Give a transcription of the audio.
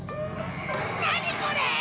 何これ！？